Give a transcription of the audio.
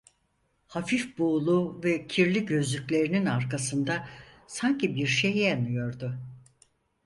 Hafif buğulu ve kirli gözlüklerinin arkasında sanki bir şey yanıyordu.